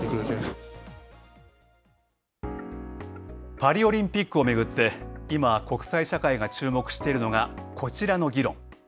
パリオリンピックを巡って今、国際社会が注目しているのがこちらの議論。